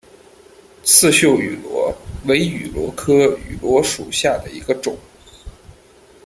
刺绣芋螺为芋螺科芋螺属下的一个种。